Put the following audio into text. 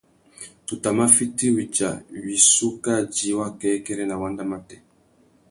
Tu tà mà fiti wudja wissú kā djï wakêkêrê nà wanda matê.